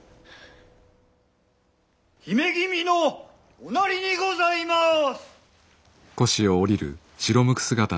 姫君のおなりにございます！